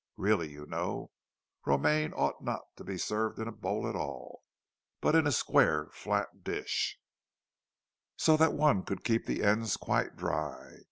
(Really, you know, romaine ought not to be served in a bowl at all, but in a square, flat dish, so that one could keep the ends quite dry.)